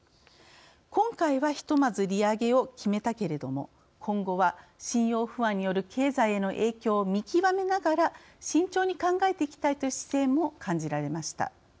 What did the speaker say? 今回はひとまず利上げを決めたけれども今後は信用不安による経済への影響を見極めながら慎重に考えていきたいという姿勢も感じられました。